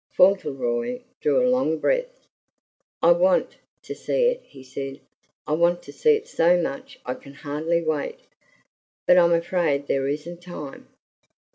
Fauntleroy drew a long breath. "I WANT to see it," he said. "I want to see it so much I can hardly wait. But I'm afraid there isn't time."